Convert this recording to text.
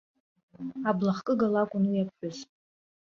Аблахкыга лакәын уи, иԥҳәыс.